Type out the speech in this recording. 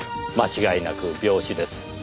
間違いなく病死です。